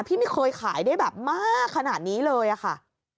พี่ไม่เคยขายได้แบบมากขนาดนี้เลยอะค่ะ